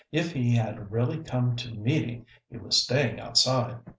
If he had really come to meeting, he was staying outside.